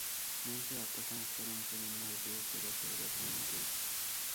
মানুষের আত্মা সংস্কার অনুসারে নিম্ন হইতেই উচ্চতর শরীরে ভ্রমণ করিতেছে।